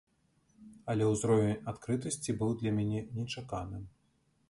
Але ўзровень адкрытасці быў для мяне нечаканым.